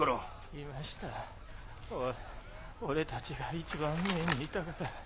いましたお俺たちが一番前にいたから。